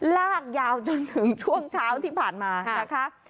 ลากยาวจนถึงช่วงเช้าที่ผ่านมานะคะ